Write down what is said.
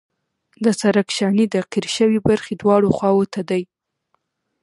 د سرک شانې د قیر شوې برخې دواړو خواو ته دي